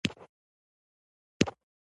قاتل ویل، زه اصلاً سواد نلرم.